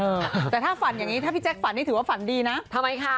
เออแต่ถ้าฝันอย่างนี้ถ้าพี่แจ๊คฝันนี่ถือว่าฝันดีนะทำไมคะ